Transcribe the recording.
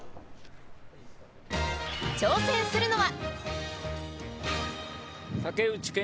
挑戦するのは。